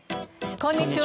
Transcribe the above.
こんにちは。